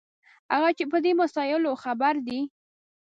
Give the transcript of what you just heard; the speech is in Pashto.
هغه چې په دې مسایلو خبر دي.